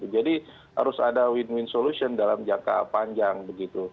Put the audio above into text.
jadi harus ada win win solution dalam jangka panjang